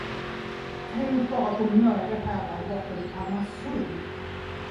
Tänk bara på Möre härad borta vid Kalmarsund!